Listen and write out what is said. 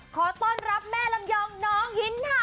ขอต้อนรับแม่ลำยองน้องหินค่ะ